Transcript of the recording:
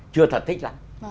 chưa thật thích lắm